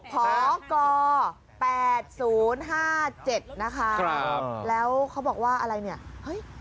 พก๘๐๕๗นะคะแล้วเขาบอกว่าอะไรเนี่ยเฮ้ย